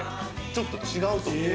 ちょっと違うと思う。